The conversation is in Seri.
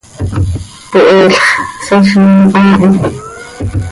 Poheel x, saziim haa hi.